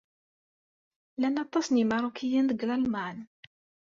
Llan aṭas n Yimeṛṛukiyen deg Lalman?